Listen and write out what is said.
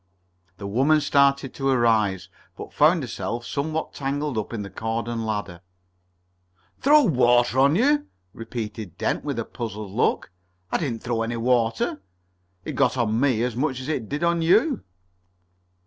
The woman started to arise, but found herself somewhat tangled up in the cord and ladder. "Throw water on you?" repeated Dent with a puzzled look. "I didn't throw any water. It got on me as much as it did on you."